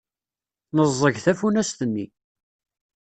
Neẓẓeg tafunast-nni.